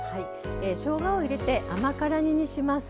しょうがを入れて甘辛煮にします。